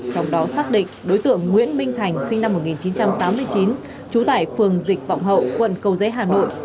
trong đó xác định đối tượng nguyễn minh thành sinh năm một nghìn chín trăm tám mươi chín trú tại phường dịch vọng hậu quận cầu giấy hà nội